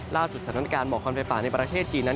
ล่าสุดสถานการณ์หมอควันไฟป่าในประเทศจีนนั้น